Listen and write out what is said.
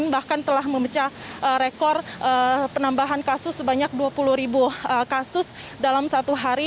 bahkan telah memecah rekor penambahan kasus sebanyak dua puluh ribu kasus dalam satu hari